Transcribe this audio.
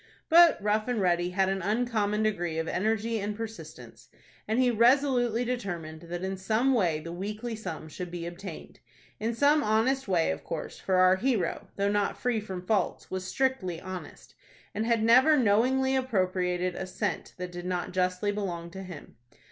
But Rough and Ready had an uncommon degree of energy and persistence, and he resolutely determined that in some way the weekly sum should be obtained. In some honest way, of course, for our hero, though not free from faults, was strictly honest, and had never knowingly appropriated a cent that did not justly belong to him.